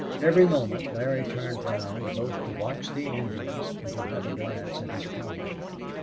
Every moment Larry turned round both to watch the Indians and to have a glance at his comrade.